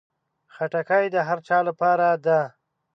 خټکی د هر چا لپاره ده.